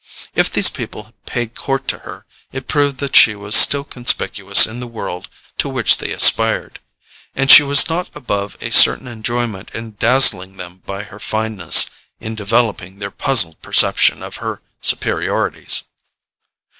If these people paid court to her it proved that she was still conspicuous in the world to which they aspired; and she was not above a certain enjoyment in dazzling them by her fineness, in developing their puzzled perception of her superiorities.